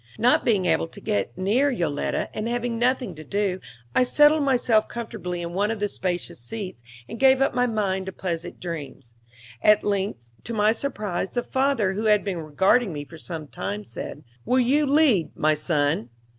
Not being able to get near Yoletta, and having nothing to do, I settled myself comfortably in one of the spacious seats, and gave up my mind to pleasant dreams. At length, to my surprise, the father, who had been regarding me for some time, said: "Will you lead, my son?"